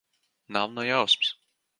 Nav ne jausmas.